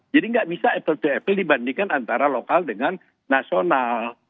nggak bisa apple to apple dibandingkan antara lokal dengan nasional